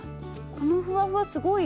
ふわふわ、すごい。